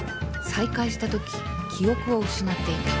再会した時記憶を失っていた